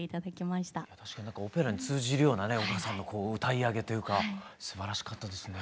確かになんかオペラに通じるようなね丘さんのこう歌い上げというかすばらしかったですね。